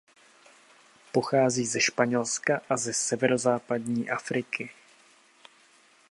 Pochází ze Španělska a ze severozápadní Afriky.